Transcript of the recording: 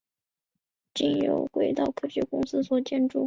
经由轨道科学公司所建造。